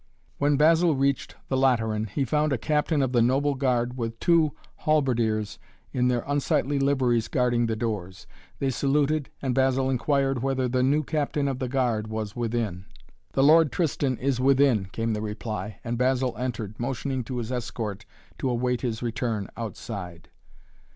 When Basil reached the Lateran he found a captain of the noble guard with two halberdiers in their unsightly liveries guarding the doors. They saluted and Basil inquired whether the new captain of the guard was within. "The Lord Tristan is within," came the reply, and Basil entered, motioning to his escort to await his return outside.